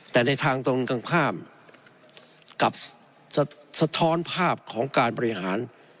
แต่ในทางตรงกันข้ามกับสะท้อนภาพของการบริหาร